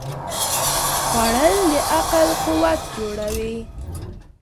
خوړل د عقل قوت جوړوي